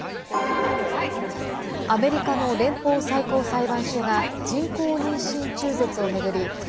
アメリカの連邦最高裁判所が人工妊娠中絶を巡り